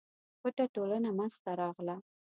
پټه ټولنه منځته راغله.